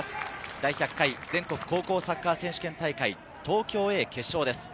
第１００回全国高校サッカー選手権大会、東京Ａ決勝です。